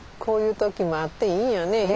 こういう時もあっていいよね。